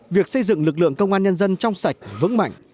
việc xây dựng lực lượng công an nhân dân trong sạch vững mạnh